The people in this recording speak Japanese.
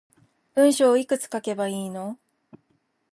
文章いくつ書けばいいの